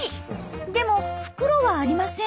でも袋はありません。